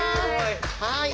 はい。